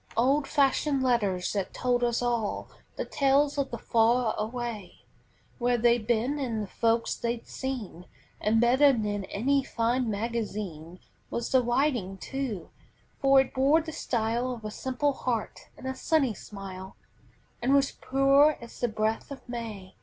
Old fashioned letters that told us all The tales of the far away; Where they'd been and the folks they'd seen; And better than any fine magazine Was the writing too, for it bore the style Of a simple heart and a sunny smile, And was pure as the breath of May.